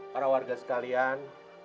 para warga sekalian